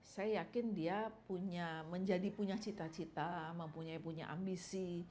saya yakin dia menjadi punya cita cita mempunyai ambisi